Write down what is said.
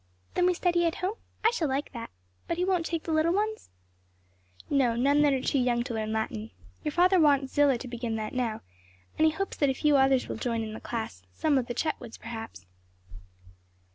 "Then we study at home? I shall like that. But he won't take little ones?" "No; none that are too young to learn Latin. Your father wants Zillah to begin that now; and he hopes that a few others will join the class some of the Chetwoods, perhaps."